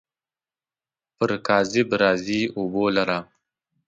پر کاذب راځي اوبو لره.